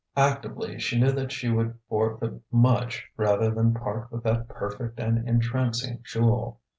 Actively she knew that she would forfeit much rather than part with that perfect and entrancing jewel.